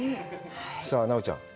さあ奈緒ちゃん。